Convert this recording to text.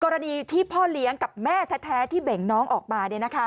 กรณีที่พ่อเลี้ยงกับแม่แท้ที่เบ่งน้องออกมา